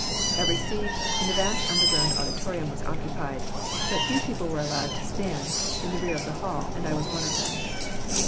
Every seat in the vast underground auditorium was occupied. But few people were allowed to stand, in the rear of the hall, and I was one of them.